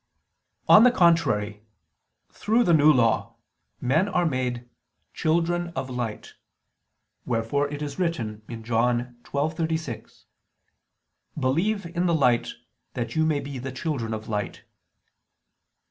On the contrary, Through the New Law, men are made "children of light": wherefore it is written (John 12:36): "Believe in the light that you may be the children of light."